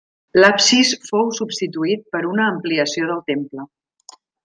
L'absis fou substituït per una ampliació del temple.